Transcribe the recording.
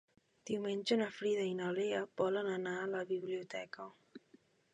Diumenge na Frida i na Lea volen anar a la biblioteca.